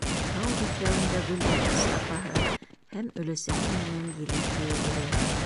Тау битләүендә Гөлнәфис апаһы һәм өләсәһе менән еләк йыйып йөрөй.